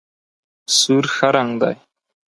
سور ښه رنګ دی.